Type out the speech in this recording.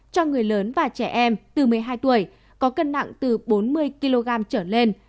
cho người lớn và trẻ em từ một mươi hai tuổi có cân nặng từ bốn mươi kg trở lên